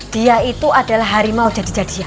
dia itu adalah harimau jadi jadian